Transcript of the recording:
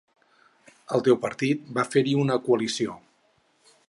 El teu partit va fer-hi una coalició.